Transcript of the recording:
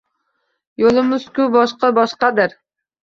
Yo‘limiz-ku boshqa boshqadir…